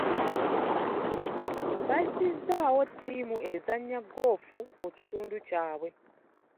Bazizzaawo ttiimu ezannya goofu mu kitundu kyabwe.